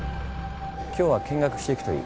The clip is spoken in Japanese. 今日は見学していくといい。